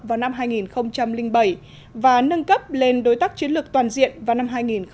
vào năm hai nghìn bảy và nâng cấp lên đối tác chiến lược toàn diện vào năm hai nghìn một mươi